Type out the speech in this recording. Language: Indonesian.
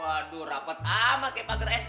waduh rapat amat kayak panger sd